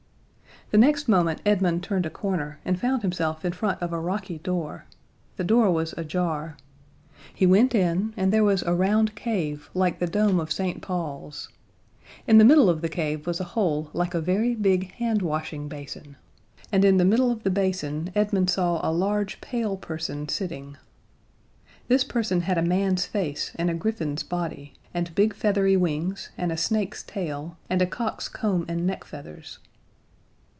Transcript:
The next moment Edmund turned a corner and found himself in front of a rocky door. The door was ajar. He went in, and there was a round cave, like the dome of St. Paul's. In the middle of the cave was a hole like a very big hand washing basin, and in the middle of the basin Edmund saw a large pale person sitting. This person had a man's face and a griffin's body, and big feathery wings, and a snake's tail, and a cock's comb and neck feathers.